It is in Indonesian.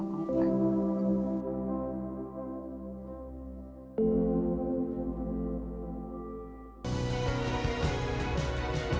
nunggu dulu nunggu dulu nunggu dulu